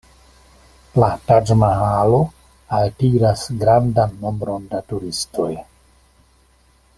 La Taĝ-Mahalo altiras grandan nombron da turistoj.